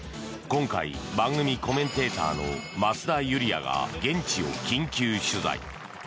今回、番組コメンテーターの増田ユリヤが現地を緊急取材。